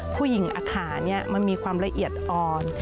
ผู้หญิงอาคารมันมีความละเอียดอ่อน